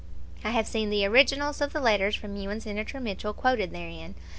I have seen the originals of the letters from you and Senator Mitchell quoted therein.